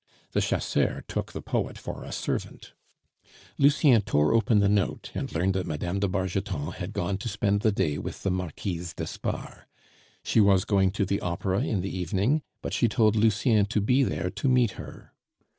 The chasseur took the poet for a servant. Lucien tore open the note, and learned that Mme. de Bargeton had gone to spend the day with the Marquise d'Espard. She was going to the Opera in the evening, but she told Lucien to be there to meet her.